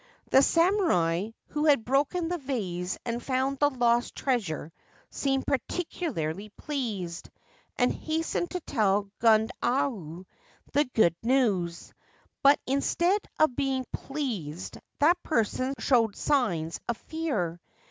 The samurai who had broken the vase and found the lost treasure seemed particularly pleased, and hastened to tell Gundayu the good news ; but, instead of being pleased, that person showed signs of fear.